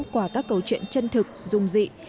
qua các câu chuyện chân thực dung dị